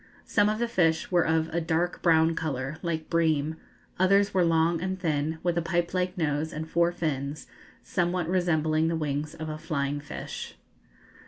Some of the fish were of a dark brown colour, like bream, others were long and thin, with a pipe like nose and four fins, somewhat resembling the wings of a flying fish.